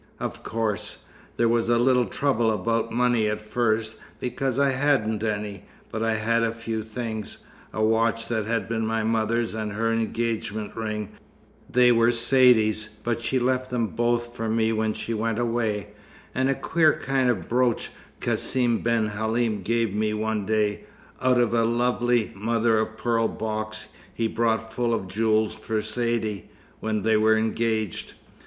"Of course. There was a little trouble about money at first, because I hadn't any, but I had a few things a watch that had been my mother's, and her engagement ring (they were Saidee's, but she left them both for me when she went away), and a queer kind of brooch Cassim ben Halim gave me one day, out of a lovely mother o' pearl box he brought full of jewels for Saidee, when they were engaged.